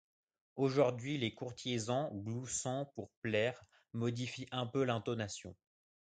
Aujourd’hui, les courtisans gloussant pour plaire modifient un peu l’intonation.